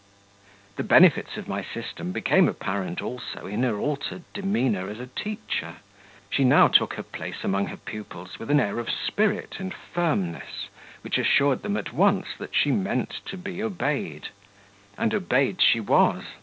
The benefits of my system became apparent also in her altered demeanour as a teacher; she now took her place amongst her pupils with an air of spirit and firmness which assured them at once that she meant to be obeyed and obeyed she was.